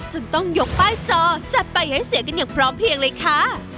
จนต้องยกป้ายจอจัดไปให้เสียกันอย่างพร้อมเพียงเลยค่ะ